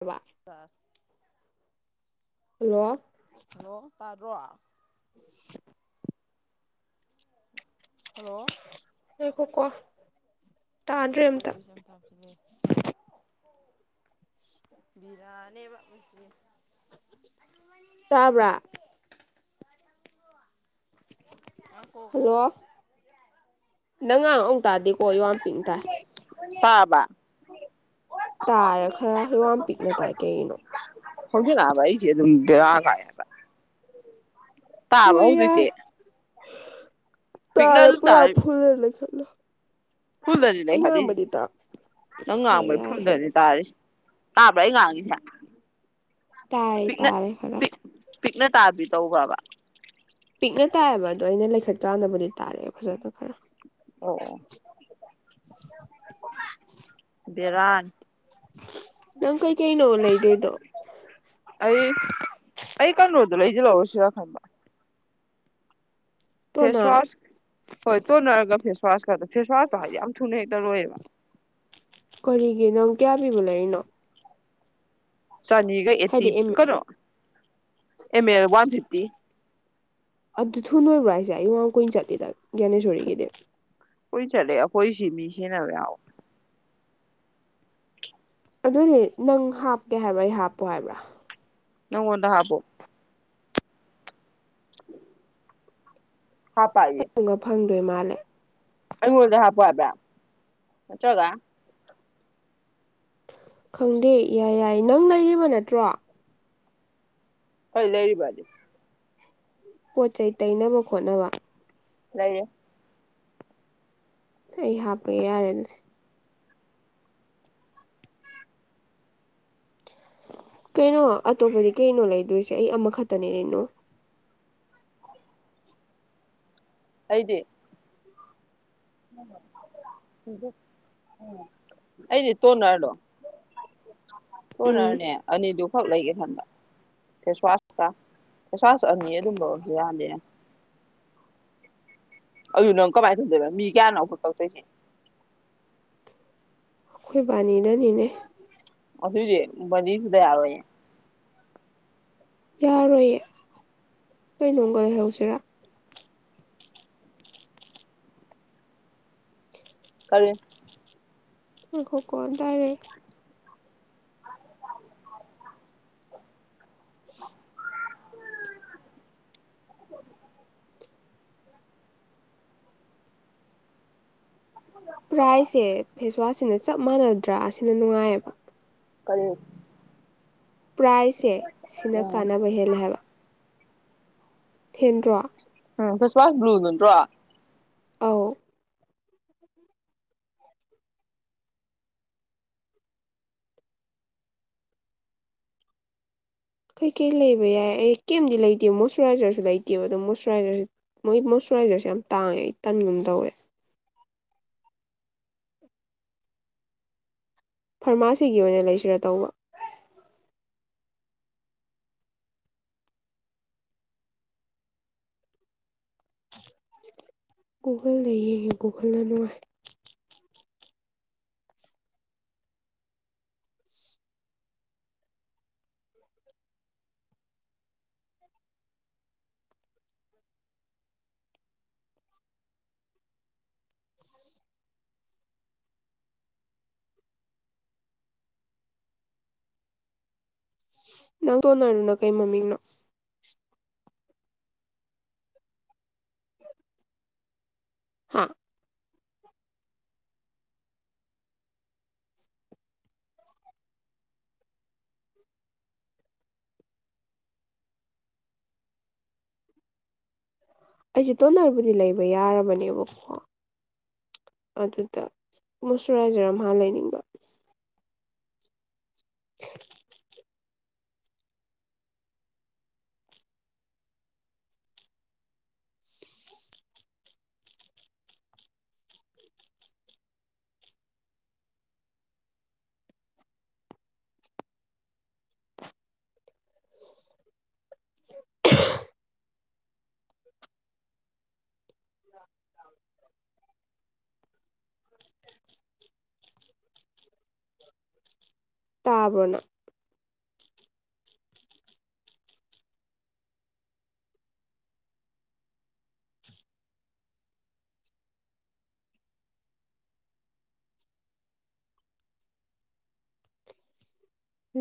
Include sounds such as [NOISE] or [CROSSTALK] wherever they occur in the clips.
ꯕꯥ ꯇꯥ hello hello ꯇꯥꯗ꯭ꯔꯣ [UNINTELLIGIBLE] ꯍꯜꯂꯣ ꯉꯥꯏꯈꯣꯀꯣ ꯇꯥꯗ꯭ꯔꯦ ꯑꯩꯖꯨ ꯑꯝꯇ ꯑꯦꯌꯔꯄꯤꯁ ꯑꯝ ꯍꯥꯞꯆꯤꯜꯂꯦ ꯕꯦꯔꯥꯅꯦꯕ ꯃꯁꯤ ꯇꯥꯕ꯭ꯔꯥ ꯍꯜꯂꯣ ꯅꯪ ꯉꯥꯡ ꯑꯃꯨꯛ ꯇꯥꯗꯦꯀꯣ ꯑꯩꯋꯥ ꯄꯤꯛꯅ ꯇꯥꯏ ꯇꯥꯔꯕꯥ ꯇꯥꯔꯦ ꯈꯔ ꯌꯣꯡ ꯌꯥꯝ ꯄꯤꯛꯅ ꯇꯥꯏ ꯀꯩꯒꯤꯅꯣ ꯒꯪꯗꯦ ꯅꯥꯕ ꯑꯩꯖꯦ ꯑꯗꯨꯝ ꯕꯦꯔꯥ ꯀꯥꯏ ꯍꯥꯏ ꯇꯥꯔꯕ ꯍꯣꯏ ꯍꯧꯖꯤꯛꯇꯤ ꯌꯥꯔꯦ ꯄꯤꯛꯅ ꯇꯥꯔꯦ ꯑꯗꯨꯝ ꯄꯨꯔꯥ ꯐꯨꯜꯗ ꯂꯩꯈꯠꯂꯣ ꯐꯨꯜꯗꯅꯤ ꯑꯩ ꯂꯩꯈꯠꯂꯤꯖꯤ ꯉꯥꯡꯕꯗꯤ ꯇꯥ ꯅꯪ ꯍꯣꯏ ꯉꯥꯡꯕ ꯌꯥꯔꯦ ꯐꯨꯜꯗꯅꯤ ꯇꯥꯔꯤꯁꯤ ꯇꯥꯕ꯭ꯔꯥ ꯑꯩ ꯉꯥꯡꯉꯤꯖꯦ ꯇꯥꯔꯦ ꯇꯥꯔꯦ ꯈꯔꯥ ꯄꯤꯛ ꯄꯤꯛꯅ ꯇꯥꯕꯤ ꯇꯧꯕ꯭ꯔꯥꯕ ꯄꯤꯛꯅ ꯇꯥꯏꯌꯦꯕ ꯑꯗꯣ ꯑꯩꯅ ꯂꯩꯈꯠ ꯀꯥꯟꯗꯕꯨꯗꯤ ꯇꯥꯔꯛꯑꯦ ꯐꯖꯅ ꯈꯔꯥ ꯑꯣ ꯕꯦꯔꯥꯅꯤ ꯅꯪ ꯀꯩꯀꯩꯅꯣ ꯂꯩꯗꯣꯏꯗꯣ ꯑꯩ ꯑꯩ ꯀꯩꯅꯣꯗꯣ ꯂꯩꯖꯤꯜꯍꯧꯔꯁꯤꯔ ꯈꯟꯕ ꯇꯣꯅꯔ ꯐꯦꯁꯋꯥꯁ ꯍꯣꯏ ꯇꯣꯟꯅꯔꯒ ꯐꯦꯁ ꯋꯥꯁꯀꯗꯣ ꯐꯦꯁꯋꯥꯁꯇꯣ ꯍꯥꯏꯗꯤ ꯌꯥꯝ ꯊꯨꯅ ꯍꯦꯛꯇ ꯂꯣꯏꯑꯦꯕ ꯀꯔꯤꯒꯤ ꯅꯪ ꯀꯌꯥ ꯄꯤꯕ ꯂꯩꯔꯤꯅꯣ ꯆꯅꯤꯒ ꯑꯦꯠꯇꯤ ꯍꯥꯏꯗꯤ ꯑꯦꯝ ꯀꯩꯅꯣ ꯑꯦꯝ ꯑꯦꯜ ꯋꯥꯟ ꯐꯤꯐꯇꯤ ꯑꯗꯨ ꯊꯨꯅ ꯂꯣꯏꯕ꯭ꯔꯣ ꯍꯥꯏꯁꯦ ꯑꯩ ꯌꯣꯡ ꯌꯥꯝ ꯀꯨꯏ ꯆꯠꯂꯤꯗ ꯒ꯭ꯌꯥꯅꯦꯁꯣꯔꯤꯒꯤꯗꯤ ꯀꯨꯏ ꯆꯠꯂꯦ ꯑꯩꯈꯣꯏ ꯁꯤ ꯃꯤꯁꯤꯖꯤꯟꯕ ꯌꯥꯎ ꯑꯗꯨꯏꯗꯤ ꯅꯪ ꯍꯥꯞꯀꯦ ꯍꯥꯏꯕ꯭ꯔꯥ ꯑꯩ ꯍꯥꯞꯄꯣ ꯍꯥꯏꯕ꯭ꯔꯥ ꯅꯪꯉꯣꯟꯗ ꯍꯥꯞꯄꯣ ꯍꯥꯞ ꯄꯥꯏꯌꯦ ꯐꯪꯒ ꯐꯪꯗꯣꯏ ꯃꯥꯜꯂꯦ ꯑꯩꯉꯣꯟꯗ ꯍꯥꯞꯄꯣ ꯍꯥꯏꯕ ꯅꯠꯇ꯭ꯔꯒ ꯈꯪꯗꯦ ꯌꯥꯏ ꯌꯥꯏ ꯅꯪ ꯂꯩꯔꯤꯕ ꯅꯠꯇ꯭ꯔꯣ ꯍꯣꯏ ꯂꯩꯔꯤꯕꯅꯤ ꯄꯣꯠ ꯆꯩ ꯇꯩꯅꯕ ꯈꯣꯠꯅꯕ ꯂꯩꯔꯦ ꯑꯩ ꯍꯥꯞꯄ ꯌꯥꯔꯦꯅꯦ ꯀꯩꯅꯣ ꯑꯇꯣꯞꯄꯗꯤ ꯀꯩꯅꯣ ꯂꯩꯗꯣꯏꯁꯦ ꯑꯩ ꯑꯃꯈꯛꯇꯅꯦꯔꯅꯣ ꯑꯩꯗꯤ [UNINTELLIGIBLE] ꯑꯩꯗꯤ ꯇꯣꯅꯥ꯭ꯔꯗꯣ ꯎꯝ ꯇꯣꯅꯥ꯭ꯔꯅꯦ ꯑꯅꯤꯗꯨ ꯈꯛ ꯂꯩꯒꯦ ꯈꯟꯕ ꯐꯦꯁꯋꯥꯁꯇ ꯐꯦꯁꯋꯥꯁ ꯑꯅꯤ ꯑꯗꯨꯝꯕ ꯌꯥꯗꯦ ꯑꯩꯌꯨ ꯅꯪ ꯀꯃꯥꯏ ꯇꯧꯗꯣꯏꯕ ꯃꯤ ꯀꯌꯥꯅꯣ ꯇꯧꯊꯣꯏꯁꯦ ꯑꯩꯈꯣꯏꯕꯥꯅꯤꯗꯅꯤꯅꯦ ꯑꯁꯨ ꯃꯖꯤꯁꯨꯗ ꯌꯥꯔ ꯑꯦ ꯌꯥꯔꯣꯏꯌꯦ ꯀꯩꯅꯣꯒ ꯂꯩꯍꯧꯁꯤꯔꯥ ꯀꯔꯤ ꯑꯥꯏꯈꯣꯀꯣ ꯗꯥꯏꯔꯦ [UNINTELLIGIBLE] [UNINTELLIGIBLE] ꯄ꯭ꯔꯥꯏꯁꯦ ꯐꯦꯁꯋꯥꯁꯁꯤꯅ ꯆꯞ ꯃꯥꯟꯅꯗ꯭ꯔꯥ ꯑꯁꯤꯅ ꯅꯨꯡꯉꯥꯏꯌꯦꯕ ꯀꯔꯤ ꯄ꯭ꯔꯥꯏꯖꯁꯦ ꯁꯤꯅ ꯎꯝ ꯀꯥꯟꯅꯕ ꯍꯦꯜꯂꯦ ꯍꯥꯏꯕ ꯊꯦꯟꯗ꯭ꯔꯣ ꯎꯝ ꯐꯁ ꯋꯥꯁ ꯕ꯭ꯂꯨ ꯅꯟꯠꯇ꯭ꯔꯣ ꯑꯧ ꯀꯩ ꯀꯩ ꯂꯩꯕ ꯌꯥꯏ ꯑꯩ ꯀꯩꯝꯗꯤ ꯂꯩꯇꯦ ꯃꯣꯏꯁꯆꯨꯔꯥꯏꯖꯔꯁꯨ ꯂꯩꯇꯦꯕ ꯑꯗꯣ ꯃꯣꯏꯆꯨꯔꯥꯏꯖꯔꯁ ꯃꯣꯏ ꯃꯣꯏꯆꯔꯥꯏꯖꯔꯁꯦ ꯌꯥꯝ ꯇꯥꯡꯉꯦ ꯑꯩ ꯇꯟꯒꯨꯝ ꯇꯧꯋꯦ ꯐꯥꯔꯃꯥꯁꯤꯒꯤ ꯑꯣꯏꯅ ꯂꯩꯁꯤꯔꯥ ꯇꯧꯕ ꯒꯨꯒꯜꯗ ꯌꯦꯡꯉꯦ ꯒꯨꯒꯜꯅ ꯅꯨꯡꯉꯥꯏ ꯅꯪ ꯇꯣꯟꯅꯔꯗꯨꯅ ꯀꯩ ꯃꯃꯤꯡꯅꯣ ꯍꯥꯥ ꯑꯩꯁꯦ ꯇꯣꯟꯅꯔꯕꯨꯗꯤ ꯂꯩꯕ ꯌꯥꯔꯕꯅꯦꯕꯀꯣ ꯑꯗꯨꯗ ꯃꯨꯁꯨꯨꯔꯥꯏꯖꯔꯥ ꯃꯍ ꯂꯩꯅꯤꯡꯕ [UNINTELLIGIBLE] ꯇꯥꯕ꯭ꯔꯣꯅꯪ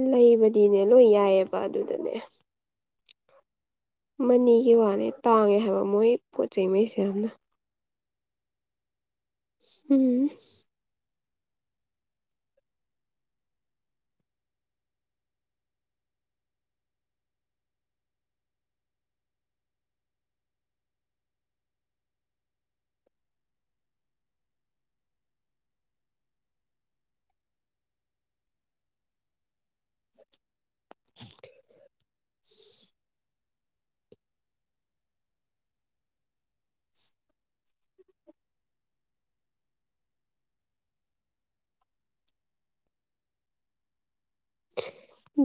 ꯂꯩꯕꯗꯤꯅꯦ ꯂꯣꯏ ꯌꯥꯏꯑꯕ ꯑꯗꯨꯗꯅꯦ ꯃꯅꯤꯒꯤ ꯋꯥꯅꯦ ꯇꯥꯡꯉꯦ ꯍꯥꯏꯕ ꯃꯣꯏ ꯄꯣꯠ ꯆꯩꯉꯩꯁꯦ ꯌꯥꯝꯅ ꯎꯝ [UNINTELLIGIBLE]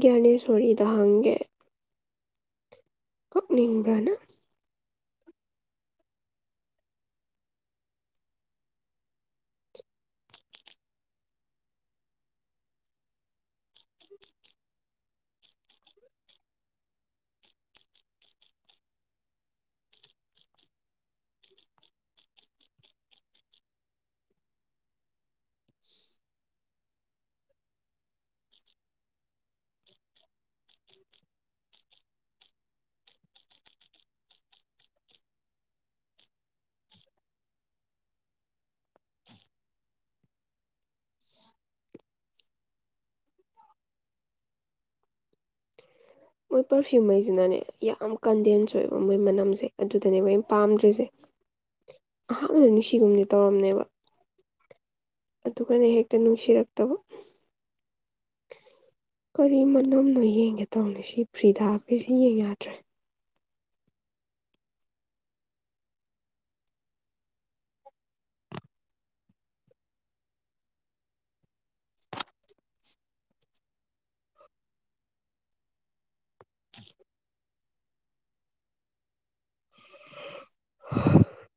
ꯒ꯭ꯌꯥꯅꯦꯁꯣꯔꯤꯗ ꯍꯪꯒꯦ ꯀꯛꯅꯤꯡꯕ꯭ꯔꯥꯅ ꯃꯣꯏ ꯄꯔꯐ꯭ꯤꯌꯨꯝ ꯍꯥꯏꯁꯤꯅꯅꯦ ꯌꯥꯝ ꯀꯟꯗꯦꯟꯁ ꯑꯣꯏꯕ ꯃꯣꯏ ꯃꯅꯝꯁꯦ ꯑꯗꯨꯗꯅꯦꯕꯩꯅ ꯄꯥꯝꯗ꯭ꯔꯤꯁꯦ ꯑꯩꯍꯥꯛꯅꯕꯗꯤ ꯅꯨꯡꯁꯤꯒꯨꯝꯗꯤ ꯇꯧꯔꯝꯅꯦꯕ ꯑꯗꯨꯒꯅ ꯍꯦꯛꯇ ꯅꯨꯡꯁꯤꯔꯛꯇꯕ ꯀꯔꯤ ꯃꯅꯝꯅꯣ ꯌꯦꯡꯒꯦ ꯇꯧꯅꯤ ꯁꯤ ꯐ꯭ꯔꯤꯗꯥꯕꯤꯁꯤ ꯌꯦꯡ ꯌꯥꯗ꯭ꯔꯦ [UNINTELLIGIBLE]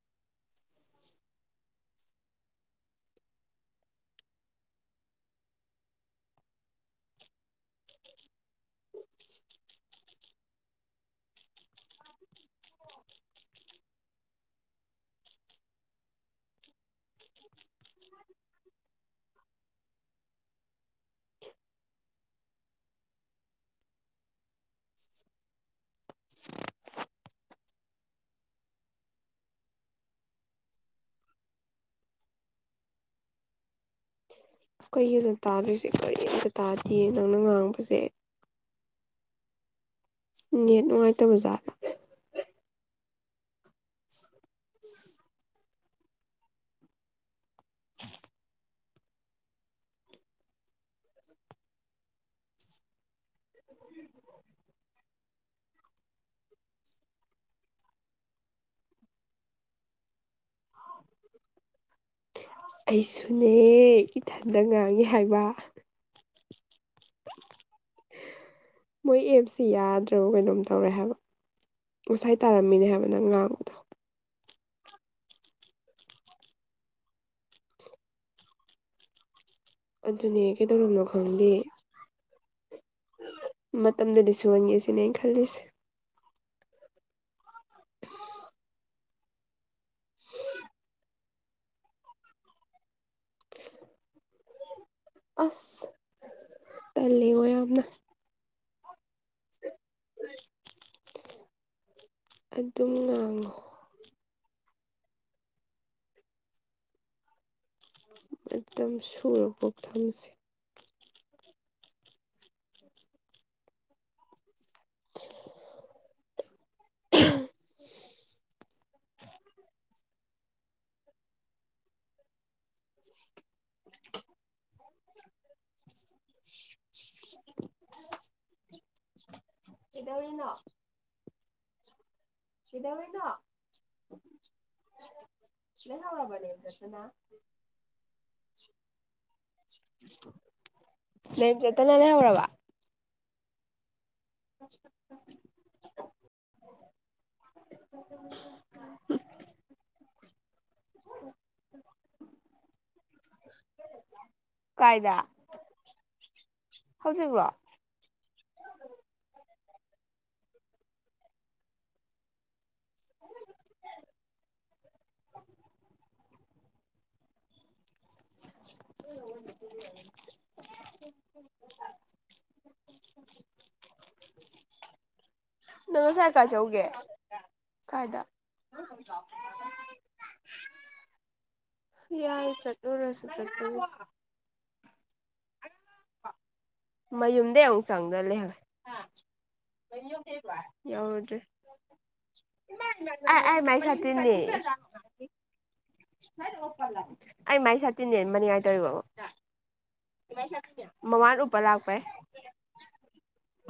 ꯀꯩꯒꯤꯅꯣ ꯇꯥꯗꯔꯤꯏꯁꯦ ꯀꯔꯤꯝꯇ ꯇꯥꯗꯦ ꯅꯪꯅ ꯉꯥꯡꯕꯁꯦ ꯅꯦꯠ ꯅꯨꯡꯉꯥꯏꯇꯕ ꯖꯥꯠꯂꯥ ꯑꯩꯁꯨꯅꯦ ꯏꯊꯟꯗ ꯉꯥꯡꯉꯤ ꯍꯥꯏꯕ ꯃꯣꯏ ꯑꯦꯞꯁꯤ ꯌꯥꯗ꯭ꯔꯕ ꯀꯩꯅꯣꯝ ꯇꯧꯔꯦ ꯍꯥꯏꯕ ꯉꯁꯥꯏ ꯇꯥꯔꯝꯃꯤꯅꯦ ꯍꯥꯏꯕ ꯅꯪ ꯉꯥꯡꯕꯗꯣ ꯑꯗꯨꯅꯦ ꯀꯩꯗꯧꯔꯤꯕꯅꯣ ꯈꯪꯗꯦ ꯃꯇꯝꯗꯨꯗ ꯁꯨꯍꯟꯒꯦ ꯁꯤꯅꯦ ꯑꯩꯅ ꯈꯜꯂꯤꯁꯦ ꯑꯁ ꯇꯜꯂꯦ ꯉꯣ ꯌꯥꯝꯅ [UNINTELLIGIBLE] ꯑꯗꯨꯝ ꯂꯥꯡꯉꯣ ꯑꯦꯝ ꯁꯨꯔ ꯄꯣꯛ ꯊꯝꯁꯦ ꯀꯩꯗꯧꯔꯤꯅꯣ ꯀꯩꯗꯧꯔꯤꯅꯣ [UNINTELLIGIBLE] [UNINTELLIGIBLE] ꯂꯩꯍꯧꯔꯕ [UNINTELLIGIBLE] [UNINTELLIGIBLE] ꯀꯥꯏꯗ ꯍꯧꯖꯤꯛꯂꯣ [UNINTELLIGIBLE] ꯅꯪ ꯉꯥꯁꯥꯏ ꯀꯥꯏ ꯆꯎꯒꯦ ꯀꯥꯏꯗ ꯌꯥꯔꯦ ꯆꯠꯂꯨꯔꯥꯁꯨ [UNINTELLIGIBLE] ꯃꯌꯨꯝꯗꯩ ꯑꯃꯨꯛ ꯆꯪꯗ ꯂꯩ [UNINTELLIGIBLE] ꯌꯥꯎꯗ꯭ꯔꯦ ꯑꯥꯢ ꯑꯩꯥꯏ ꯃꯥꯏ ꯁꯇꯤꯟꯅꯤ ꯑꯩ ꯃꯥꯏ ꯁꯥꯇꯤꯟꯅꯦ ꯃꯅꯤꯡꯉꯥꯏ ꯇꯧꯔꯤꯕ ꯃꯃꯥꯟ ꯎꯞꯄ ꯂꯥꯛꯄꯩ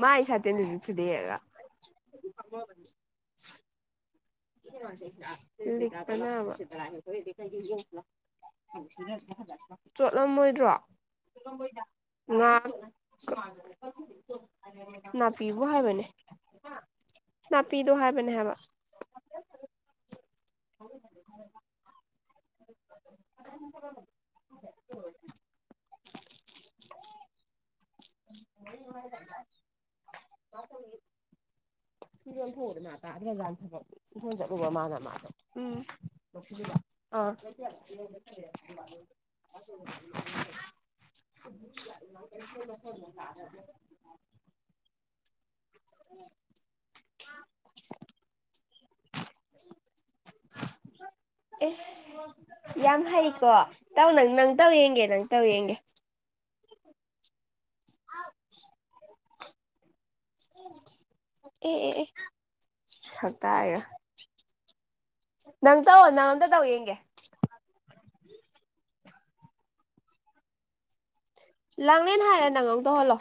ꯃꯥꯏ [UNINTELLIGIBLE] [UNINTELLIGIBLE] ꯆꯣꯠꯂꯝꯃꯣꯏꯗ꯭ꯔꯣ ꯉꯥ ꯅꯥꯄꯤꯕꯨ ꯍꯥꯏꯕꯅꯦ ꯅꯥꯄꯤꯗꯣ ꯍꯥꯏꯕꯅꯦ ꯍꯥꯏꯕ [INAUDIBLE] [UNINTELLIGIBLE] [UNINTELLIGIBLE] [UNINTELLIGIBLE] [UNINTELLIGIBLE] [UNINTELLIGIBLE] [UNINTELLIGIBLE] [UNINTELLIGIBLE] [UNINTELLIGIBLE] ꯏꯁꯁ ꯌꯥꯝ ꯍꯩꯀꯣ ꯇꯧ ꯅꯪ ꯅꯪ ꯇꯧ ꯌꯦꯡꯒꯦ ꯅꯪ ꯇꯧ ꯌꯦꯡꯒꯦ [UNINTELLIGIBLE] ꯑꯦ ꯑꯦ ꯁꯛꯇꯒ ꯅꯪ ꯇꯧꯑꯣ ꯅꯪ ꯑꯝꯇꯥ ꯇꯧ ꯌꯦꯡꯒꯦ ꯂꯥꯡꯂꯦꯟ ꯍꯥꯏꯔ ꯅꯪ ꯑꯧ ꯇꯧꯍꯜꯂꯣ